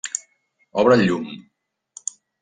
Obre el llum.